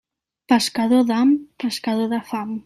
Pescador d'ham, pescador de fam.